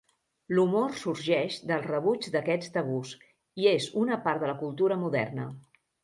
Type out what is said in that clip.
L'humor sorgeix del rebuig d'aquests tabús, i és una part de la cultura moderna.